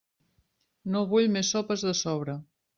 No vull més sopes de sobre.